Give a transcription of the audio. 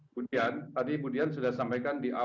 bu udian tadi bu udian sudah sampaikan